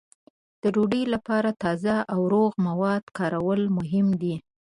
د ډوډۍ لپاره تازه او روغ مواد کارول مهم دي.